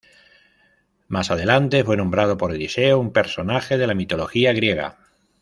Más adelante fue nombrado por Odiseo, un personaje de la mitología griega.